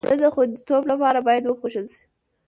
اوړه د خوندیتوب لپاره باید پوښل شي